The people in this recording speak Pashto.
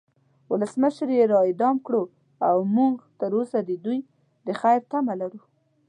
ولسمشر یی را اعدام کړو او مونږ تروسه د دوی د خیر تمه لرو